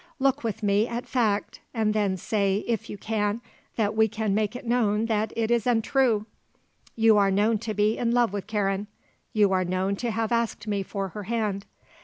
Look with me at fact, and then say, if you can, that we can make it known that it is untrue. You are known to be in love with Karen; you are known to have asked me for her hand.